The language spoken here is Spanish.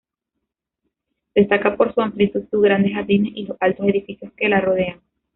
Destaca por su amplitud, sus grandes jardines y los altos edificios que la rodean.